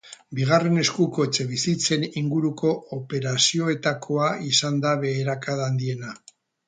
Bigarren eskuko etxebizitzen inguruko operazioetakoa izan da beherakada handiena.